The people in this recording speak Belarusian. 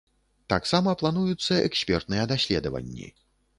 Таксама плануюцца экспертныя даследаванні.